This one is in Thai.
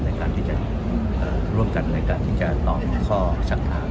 ในการที่จะร่วมกันในการที่จะตอบข้อสักถาม